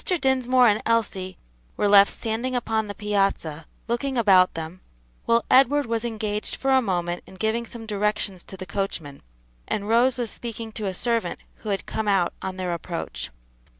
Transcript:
Dinsmore and Elsie were left standing upon the piazza, looking about them, while Edward was engaged for a moment in giving some directions to the coachman, and Rose was speaking to a servant who had come out on their approach.